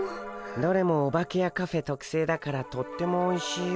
どれもオバケやカフェとくせいだからとってもおいしいよ。